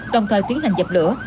đồng thời tiến hành dập lửa